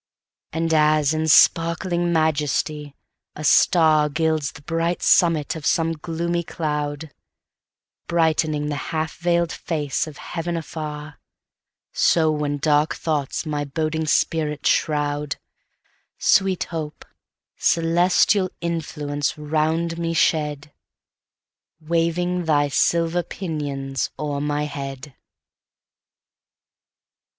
And as, in sparkling majesty, a starGilds the bright summit of some gloomy cloud; Brightening the half veil'd face of heaven afar:So, when dark thoughts my boding spirit shroud, Sweet Hope, celestial influence round me shed, Waving thy silver pinions o'er my head.